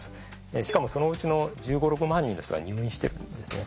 しかもそのうちの１５１６万人の人が入院してるんですね。